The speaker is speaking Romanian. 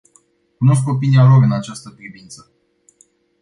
Cunosc opinia lor în această privință.